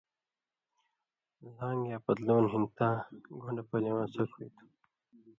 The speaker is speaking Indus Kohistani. لان٘گ یا پتلُون ہِن تاں گھُن٘ڈہۡ پلیؤں اڅھک ہُوئ تھُو۔